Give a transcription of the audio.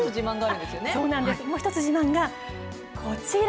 もう一つ自慢がこちら。